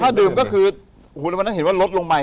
ถ้าดื่มก็คือหัวในวันนั้นเห็นว่าลดลงไป